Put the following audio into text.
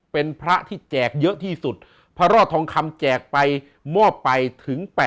เป็นพระที่แจกเยอะที่สุดพระรอดทองคำแจกไปมอบไปถึง๘๐๐